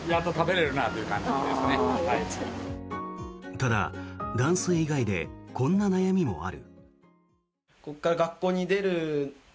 ただ、断水以外でこんな悩みもある。